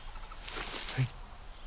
はい。